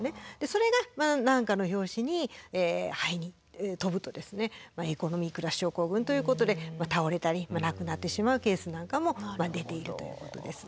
それが何かの拍子に肺に飛ぶとエコノミークラス症候群ということで倒れたり亡くなってしまうケースなんかも出ているということです。